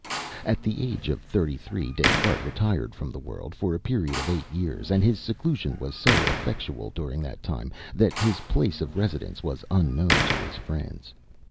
At the age of thirty three Des Cartes retired from the world for a period of eight years, and his seclusion was so effectual during that time, that his place of residence was unknown to his friends.